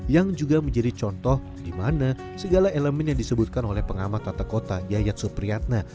yang juga menjadi contoh di mana segala elemen yang disebutkan oleh pengamat tata kota yayat supriyatna